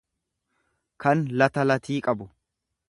kan lata latii qabu.